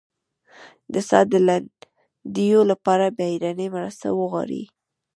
د ساه د لنډیدو لپاره بیړنۍ مرسته وغواړئ